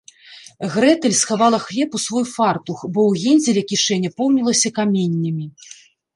Грэтэль схавала хлеб у свой фартух, бо ў Гензеля кішэня поўнілася каменнямі